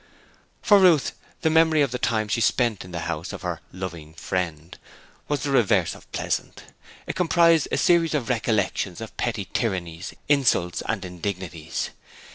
For Ruth, the memory of the time she spent in the house of 'her loving friend' was the reverse of pleasant. It comprised a series of recollections of petty tyrannies, insults and indignities.